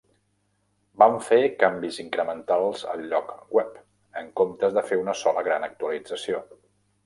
Vam fer canvis incrementals al lloc web, en comptes de fer una sola gran actualització.